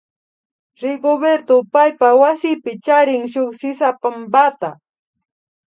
Rigoberto paypa wasipi charin shuk sisapampata